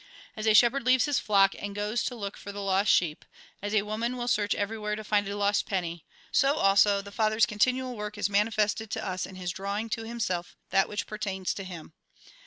As a shepherd leaves his flock, and goes to look for the lost sheep, as a woman will search everywhere to find a lost penny, so also the Father's continual work is manifested to us in His drawing to Himself that which pertains to Him.